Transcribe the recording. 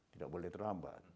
tidak boleh terlambat